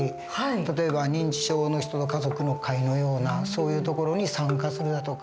例えば認知症の人の家族の会のようなそういう所に参加するだとか。